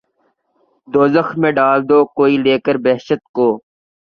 دوزخ میں ڈال دو‘ کوئی لے کر بہشت کو